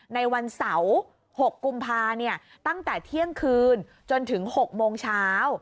ในวันเสาร์๖กุมภาตั้งแต่เที่ยงคืนจนถึง๖โมงเช้า